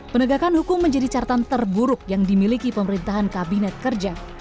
penegakan hukum menjadi catatan terburuk yang dimiliki pemerintahan kabinet kerja